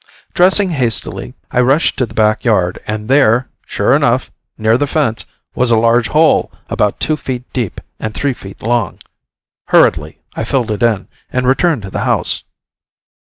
Dressing hastily, I rushed to the back yard, and there, sure enough, near the fence, was a large hole about two feet deep and three feet long. Hurriedly, I filled it in and returned to the house.